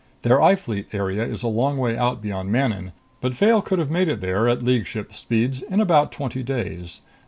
Their I Fleet area is a long way out beyond Manon, but Fayle could have made it there, at League ship speeds, in about twenty days.